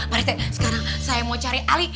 pak rt sekarang saya mau cari ali